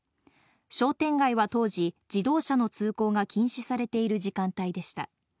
商店街は当時、自動車の通行が禁止されている時間帯でした。